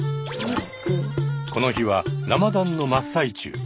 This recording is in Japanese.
この日はラマダンの真っ最中。